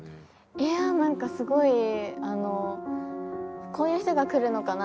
いやあなんかすごいあのこういう人が来るのかな？